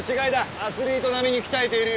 アスリート並みに鍛えているよ。